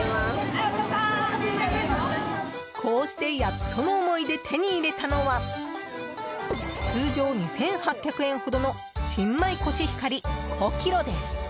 こうしてやっとの思いで手に入れたのは通常２８００円ほどの新米コシヒカリ５ｋｇです。